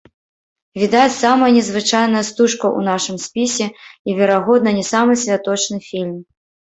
Відаць, самая незвычайная стужка ў нашым спісе і, верагодна, не самы святочны фільм.